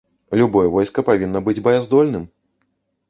Любое войска павінна быць баяздольным.